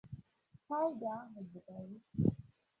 Powder ahu bu gari.